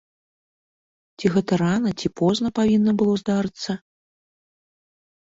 Ці гэта рана ці позна павінна было здарыцца?